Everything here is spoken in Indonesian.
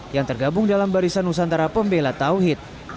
yang tergabung dalam barisan nusantara pembela tauhid